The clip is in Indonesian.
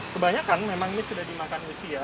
kebanyakan memang ini sudah dimakan usia